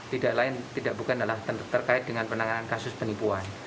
tidak lain tidak bukan adalah terkait dengan penanganan kasus penipuan